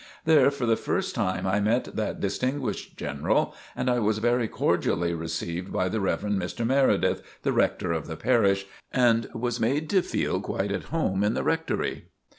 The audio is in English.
There for the first time I met that distinguished General and I was very cordially received by the Rev. Mr. Meredith, the rector of the parish, and was made to feel quite at home in the rectory.